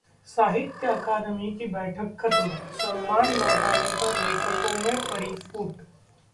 साहित्य अकादमी की बैठक खत्म, सम्मान लौटाने पर लेखकों में पड़ी फूट